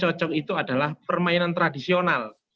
percobaan yang coba itu adalah permainan tradisional